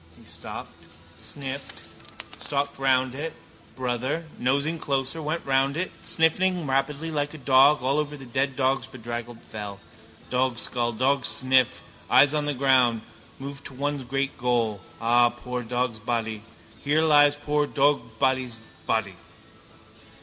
He stopped, sniffed, stalked round it, brother, nosing closer, went round it, sniffling rapidly like a dog all over the dead dog's bedraggled fell. Dogskull, dogsniff, eyes on the ground, moves to one great goal. Ah, poor dogsbody! Here lies poor dogsbody's body.